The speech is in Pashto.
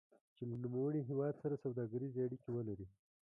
چې له نوموړي هېواد سره سوداګریزې اړیکې ولري.